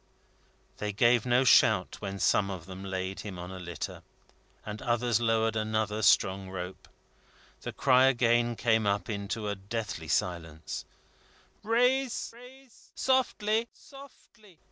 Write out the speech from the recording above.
They gave no shout when some of them laid him on a litter, and others lowered another strong rope. The cry again came up into a deathly silence: "Raise! Softly!"